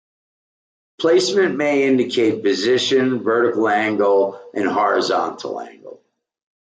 Placement may indicate position, vertical angle, and horizontal angle.